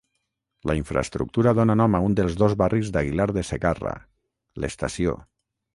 La infraestructura dóna nom a un dels dos barris d'Aguilar de Segarra, l'Estació.